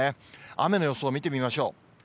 雨の予想を見てみましょう。